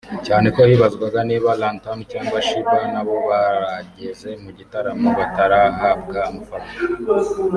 cyane ko hibazwaga niba RunTown cyangwa Sheebah nabo barageze mu gitaramo batarahabwa amafaranga